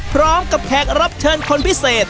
พร้อมกับแพ็กรับเชิญคนพิเศษ